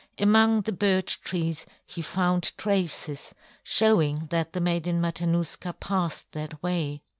Among the birch trees he found traces, showing that the Maiden Matanuska passed that way.